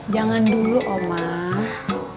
jangan dulu omah